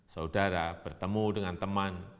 saudara bertemu dengan teman